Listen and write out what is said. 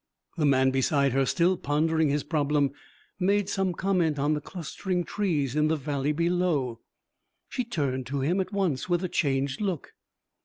The man beside her, still pondering his problem, made some comment on the clustering trees in the valley below. She turned to him at once with a changed look.